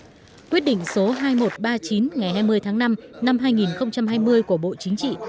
theo quyết định số hai nghìn một trăm ba mươi chín ngày hai mươi tháng năm năm hai nghìn hai mươi của bộ chính trị